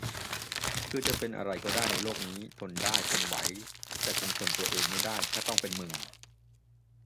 คือจะเป็นอะไรก็ได้ในโลกนี้ ทนได้ ทนไหว แต่คงทนตัวเองไม่ได้ถ้าต้องเป็นมึง